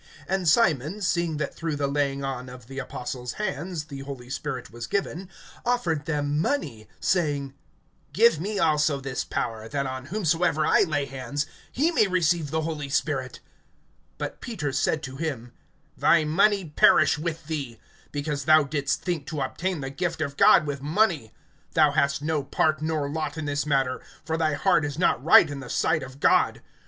(18)And Simon, seeing that through the laying on of the apostles' hands the Holy Spirit was given, offered them money, (19)saying: Give me also this power, that on whomsoever I lay hands, he may receive the Holy Spirit. (20)But Peter said to him: Thy money perish with thee; because thou didst think to obtain the gift of God with money: (21)Thou hast no part nor lot in this matter[8:21]; for thy heart is not right in the sight of God.